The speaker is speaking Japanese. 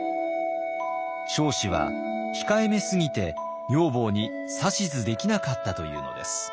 彰子は控えめすぎて女房に指図できなかったというのです。